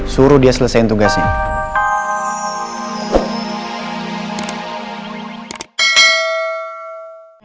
suruh dia selesain tugasnya